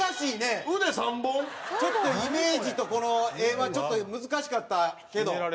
ちょっとイメージと絵はちょっと難しかったけど。